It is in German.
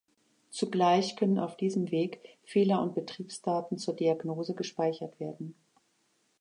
Zugleich können auf diesem Weg Fehler- und Betriebsdaten zur Diagnose gespeichert werden.